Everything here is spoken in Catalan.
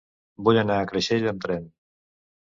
Vull anar a Creixell amb tren.